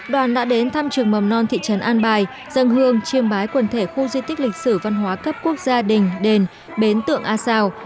đoàn đã đến thăm trường mầm non thị trấn an bài dân hương chiêm bái quần thể khu di tích lịch sử văn hóa cấp quốc gia đình đền bến tượng a sao